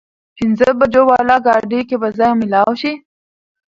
پينځه بجو واله ګاډي کې به ځای مېلاو شي؟